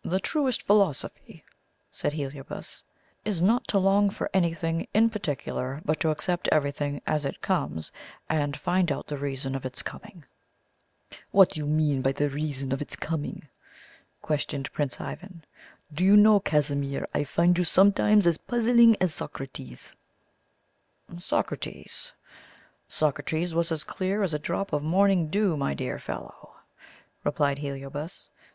"The truest philosophy," said Heliobas, "is not to long for anything in particular, but to accept everything as it comes, and find out the reason of its coming." "What do you mean by 'the reason of its coming'?" questioned Prince Ivan. "Do you know, Casimir, I find you sometimes as puzzling as Socrates." "Socrates? Socrates was as clear as a drop of morning dew, my dear fellow," replied Heliobas.